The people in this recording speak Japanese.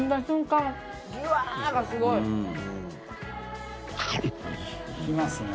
「いきますね」